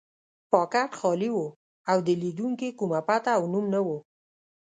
پاکټ خالي و او د لېږونکي کومه پته او نوم نه و.